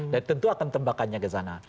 dan tentu akan tembakannya ke sana